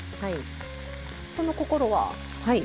その心は？